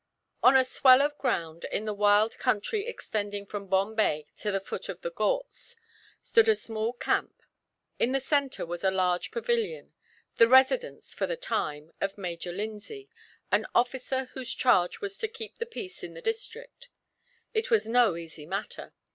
On a swell of ground, in the wild country extending from Bombay to the foot of the Ghauts, stood a small camp. In the centre was a large pavilion; the residence, for the time, of Major Lindsay, an officer whose charge was to keep the peace in the district. It was no easy matter.